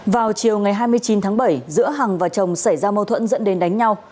vào chiều ngày hai mươi chín tháng bảy giữa hằng và chồng xảy ra mâu thuẫn dẫn đến đánh nhau